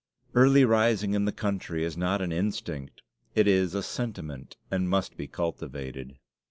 Early rising in the country is not an instinct; it is a sentiment, and must be cultivated.